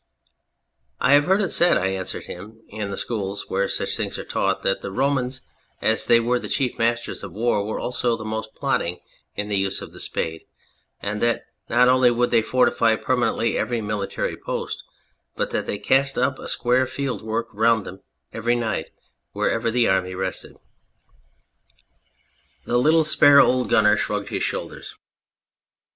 " I have heard it said," I answered him, " in the schools where such things are taught, that the Romans, as they were the chief masters of war, were also the most plodding in the use of the spade, and that not only would they fortify permanently every military post, but that they cast up a square field work round them every night, wherever the army rested." The little spare old gunner shrugged his shoulders.